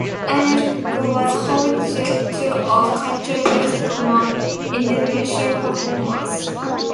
Erick was home to two of Country music's more idiosyncratic performers.